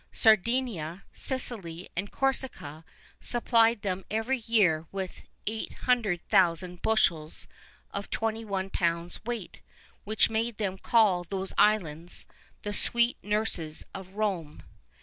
Sardinia, Sicily, and Corsica, supplied them every year with 800,000 bushels of twenty one pounds weight, which made them call those islands "the sweet nurses of Rome."